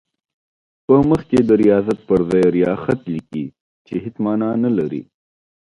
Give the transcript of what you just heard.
په مخ کې د ریاضت پر ځای ریاخت لیکي چې هېڅ معنی نه لري.